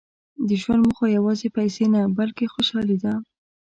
• د ژوند موخه یوازې پیسې نه، بلکې خوشالي ده.